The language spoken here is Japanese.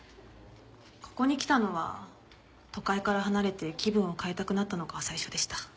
ここに来たのは都会から離れて気分を変えたくなったのが最初でした。